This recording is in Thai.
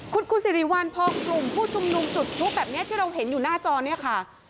คุณครูสิริวัลพคุมผู้ชุมนุมจุดทุกแบบนี้ที่เราเห็นอยู่หน้าจอนี่ค่ะ